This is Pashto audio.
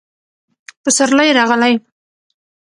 پسرلی راغلی